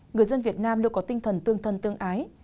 người dân việt nam luôn có tinh thần tương thân tương ái